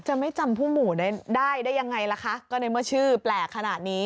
ไม่จำผู้หมู่ได้ได้ยังไงล่ะคะก็ในเมื่อชื่อแปลกขนาดนี้